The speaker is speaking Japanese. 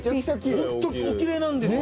ホントおきれいなんですよ。